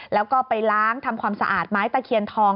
แล้วก็ไปล้างทำความสะอาดไม้ตะเคียนทอง